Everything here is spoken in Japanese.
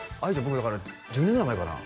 僕だから１０年ぐらい前かな？